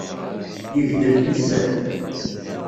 Yegdel nezzeh.